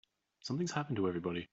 Something's happened to everybody.